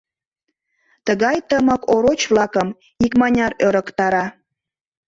Тыгай тымык ороч-влакым икмыняр ӧрыктара.